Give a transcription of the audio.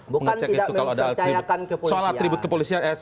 bukan tidak mempercayakan kepolisian